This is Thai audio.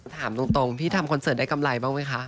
ถามตรงพี่ทำคอนเสิร์ตได้กำไรบ้างไหมคะ